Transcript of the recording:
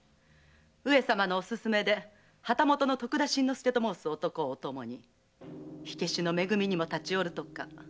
上様のお勧めで旗本の徳田新之助と申す男をお供に火消しのめ組にも立ち寄るとか。